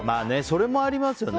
それもありますよね。